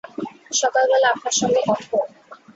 সকালবেলা আপনার সঙ্গে কথা হবে!